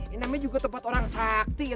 ini emang juga tempat orang sakti ya